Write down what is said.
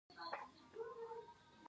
چې چا به دا اصول ماتول نو ټولنې به شړل.